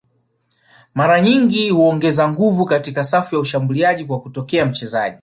mara nyingi huongeza nguvu katika safu ya ushambuliaji kwa kutoa mchezaji